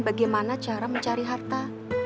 bagaimana cara mencari harta